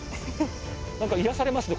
なんか癒やされますね